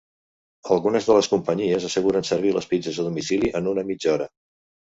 Algunes de les companyies asseguren servir les pizzes a domicili en una mitja hora.